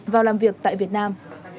vào làm việc tại việt nam